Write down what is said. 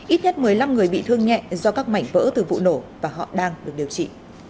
ít nhất một mươi năm người bị thương nhẹ do các mảnh vỡ từ vụ nổ và họ đang được điều trị